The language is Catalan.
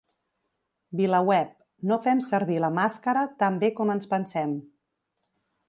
VilaWeb: ‘No fem servir la màscara tan bé com ens pensem’